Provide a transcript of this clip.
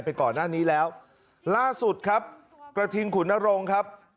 ไปก่อนหน้านี้แล้วล่าสุดครับกระทิงขุนนรงค์ครับ